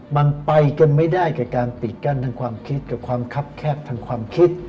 มันไปกันไม่ได้กับการปิดกั้นทางความคิดกับความคับแคบทางความคิด